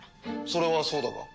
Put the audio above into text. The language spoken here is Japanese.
それはそうだが。